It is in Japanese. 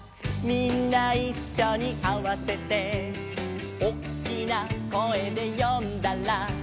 「みんないっしょにあわせて」「おっきな声で呼んだら」